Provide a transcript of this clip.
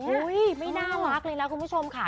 อุ้ยไม่น่ารักเลยแล้วคุณผู้ชมค่ะ